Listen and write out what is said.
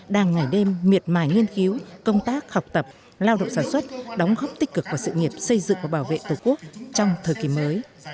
đang ngày đêm miệt mài nghiên cứu công tác học tập lao động sản xuất đóng góp tích cực vào sự nghiệp xây dựng và bảo vệ tổ quốc trong thời kỳ mới